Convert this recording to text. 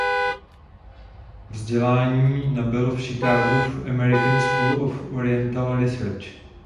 Vzdělání nabyl v Chicagu v "American School of Oriental Research".